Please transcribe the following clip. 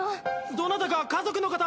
どなたか家族の方！